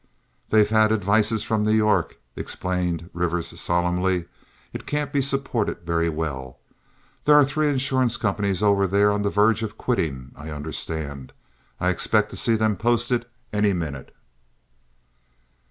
"They've had advices from New York," explained Rivers solemnly. "It can't be supported very well. There are three insurance companies over there on the verge of quitting, I understand. I expect to see them posted any minute."